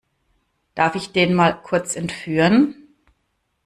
Darf ich den mal kurz entführen?